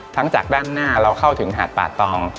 จากด้านหน้าเราเข้าถึงหาดป่าตอง